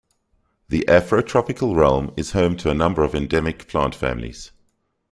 The Afrotropical realm is home to a number of endemic plant families.